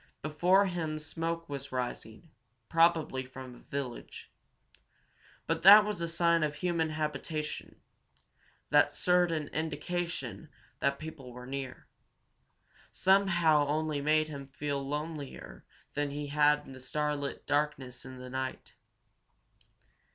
Before him smoke was rising, probably from a village. But that sign of human habitation, that certain indication that people were near, somehow only made him feel lonelier than he had been in the starlit darkness of the night.